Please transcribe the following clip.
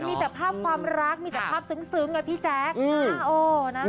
มีแต่ภาพความรักมีแต่ภาพซึ้งอะพี่แจ๊ค